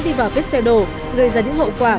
đi vào vết xe đổ gây ra những hậu quả